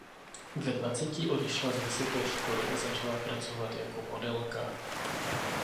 Ve dvaceti odešla z vysoké školy a začala pracovat jako modelka.